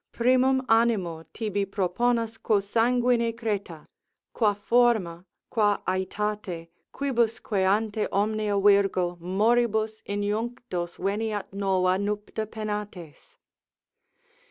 Primum animo tibi proponas quo sanguine creta. Qua forma, qua aetate, quibusque ante omnia virgo Moribus, in junctos veniat nova nupta penates.